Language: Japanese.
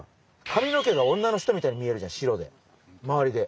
かみの毛が女の人みたいに見えるじゃん白で周りで。